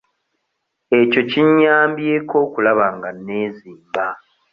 Ekyo kinnyambyeko okulaba nga neezimba.